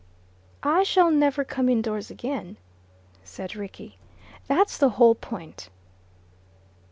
"I never shall come indoors again," said Rickie. "That's the whole point."